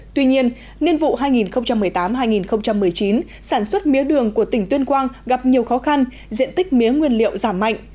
tuy nhiên niên vụ hai nghìn một mươi tám hai nghìn một mươi chín sản xuất mía đường của tỉnh tuyên quang gặp nhiều khó khăn diện tích mía nguyên liệu giảm mạnh